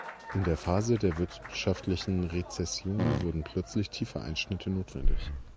In der Phase der wirtschaftlichen Rezession wurden plötzlich tiefe Einschnitte notwendig.